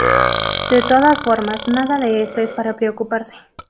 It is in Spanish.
De todas formas, nada de esto es para preocuparse".